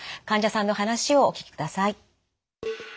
患者さんの話をお聞きください。